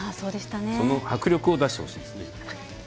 その迫力を出してほしいですね。